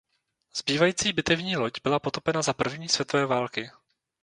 Zbývající bitevní loď byla potopena za první světové války.